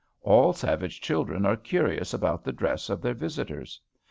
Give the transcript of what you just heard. All savage children are curious about the dress of their visitors.